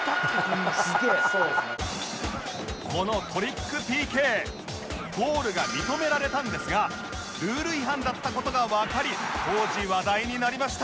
このトリック ＰＫ ゴールが認められたんですがルール違反だった事がわかり当時話題になりました